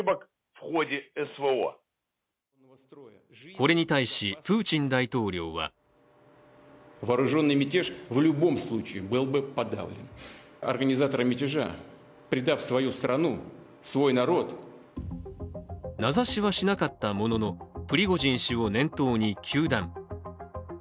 これに対し、プーチン大統領は名指しはしなかったもののプリゴジン氏を念頭に糾弾。